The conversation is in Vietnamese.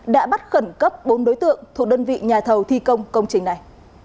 đã bắt khẩn cấp bốn đối tượng thuộc đơn vị nhà thầu thi công công trình này